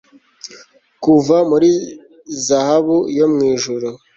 Kuva muri zahabu yo mwijuru